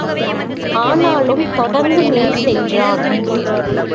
ஆனாலும் தொடர்ந்து மேல் சென்றான்.